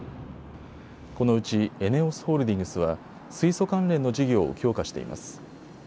このうちＥＮＥＯＳホールディングスは水素関連の事業を強化しています。